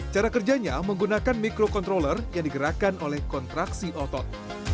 cara kerjanya menggunakan microcontroller yang digerakkan oleh kontraksi otot